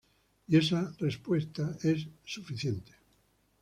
Y esa respuesta es suficiente".